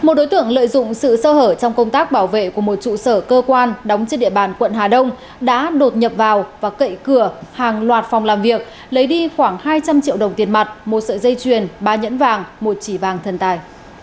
một đối tượng lợi dụng sự sơ hở trong công tác bảo vệ của một trụ sở cơ quan đóng trên địa bàn quận hà đông đã đột nhập vào và cậy cửa hàng loạt phòng làm việc lấy đi khoảng hai trăm linh triệu đồng tiền mặt một sợi dây chuyền ba nhẫn vàng một chỉ vàng thần tài